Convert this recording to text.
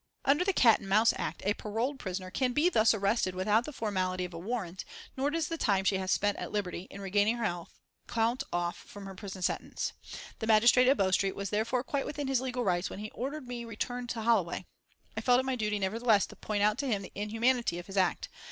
Under the Cat and Mouse Act a paroled prisoner can be thus arrested without the formality of a warrant, nor does the time she has spent at liberty, in regaining her health, count off from her prison sentence. The magistrate at Bow Street was therefore quite within his legal rights when he ordered me returned to Holloway. I felt it my duty, nevertheless, to point out to him the inhumanity of his act.